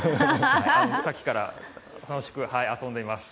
さっきから楽しく遊んでいます。